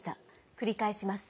繰り返します。